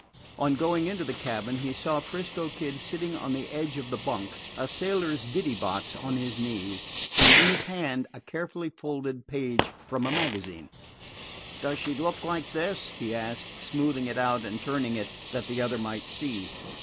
On going into the cabin, he saw 'Frisco Kid sitting on the edge of the bunk, a sailor's ditty box on his knees, and in his hand a carefully folded page from a magazine. "Does she look like this?" he asked, smoothing it out and turning it that the other might see.